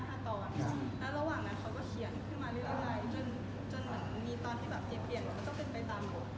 แล้วระหว่างนั้นเขาก็เขียนขึ้นมาเรื่อยจนเหมือนมีตอนที่แบบเจ๊เปลี่ยนมันก็เป็นไปตามบท